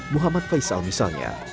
muhammad faisal misalnya